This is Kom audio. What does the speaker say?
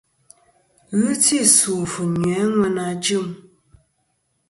Ghɨ ti sù fɨ̀ nyuy a ŋweyn a jɨm.